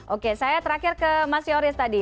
oke saya terakhir ke mas yoris tadi